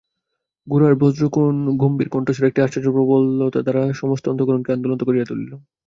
গোরার বজ্রগম্ভীর কণ্ঠস্বর একটি আশ্চর্য প্রবলতাদ্বারা তাহার সমস্ত অন্তঃকরণকে আন্দোলিত করিয়া তুলিল।